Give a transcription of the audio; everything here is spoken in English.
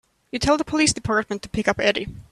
You tell the police department to pick up Eddie.